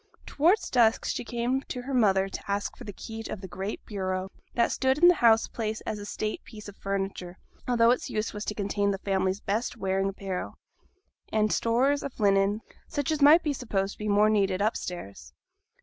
Towards dusk she came to her mother to ask for the key of the great bureau that stood in the house place as a state piece of furniture, although its use was to contain the family's best wearing apparel, and stores of linen, such as might be supposed to be more needed upstairs.